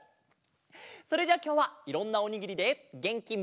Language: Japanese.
それじゃあきょうはいろんなおにぎりでげんきもりもりになっちゃおう！